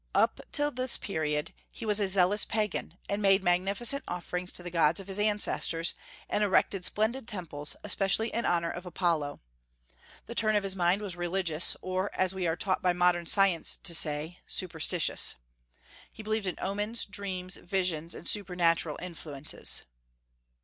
Up to this period he was a zealous Pagan, and made magnificent offerings to the gods of his ancestors, and erected splendid temples, especially in honor of Apollo. The turn of his mind was religious, or, as we are taught by modern science to say, superstitious. He believed in omens, dreams, visions, and supernatural influences.